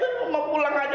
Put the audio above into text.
ampun dek kerja kayak begini